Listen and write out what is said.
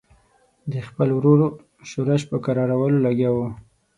د خپل ورور ښورښ په کرارولو لګیا وو.